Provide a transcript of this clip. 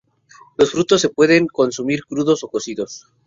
Los frutos se pueden consumir crudos o cocidos.